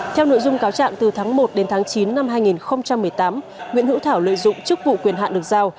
theo nội dung cáo trạng từ tháng một đến tháng chín năm hai nghìn một mươi tám nguyễn hữu thảo lợi dụng chức vụ quyền hạn được giao